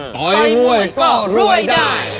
ต่อยมวยก็รวยได้